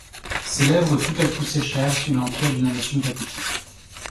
Ses lèvres tout à coup séchèrent, sous l'empire d'une émotion pathétique.